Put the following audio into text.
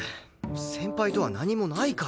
先輩とは何もないから。